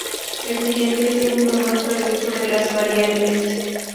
El siguiente ejemplo muestra el uso de las variables.